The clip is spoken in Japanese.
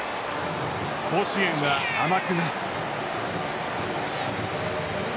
甲子園は甘くない。